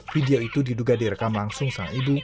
video itu diduga direkam langsung sang ibu